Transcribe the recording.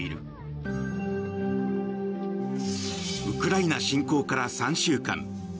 ウクライナ侵攻から３週間。